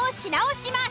します。